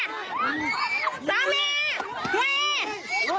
หมุย